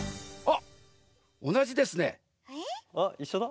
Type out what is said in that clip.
あいっしょだ。